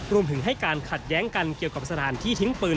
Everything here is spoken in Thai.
รวมถึงให้การขัดแย้งกันเกี่ยวกับสถานที่ทิ้งปืน